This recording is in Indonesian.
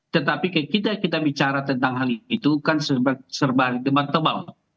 tetapi kita bicara tentang hal itu kan serba dematable